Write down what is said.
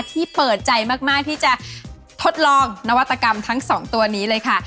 ที่เปิดใจมากที่จะทดลองนวัตกรรมทั้งสองตัวนี้เลยค่ะ